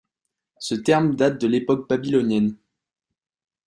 Ce terme date de l'époque babylonienne.